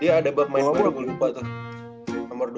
oh iya ada bapak my hero gue lupa tuh nomor dua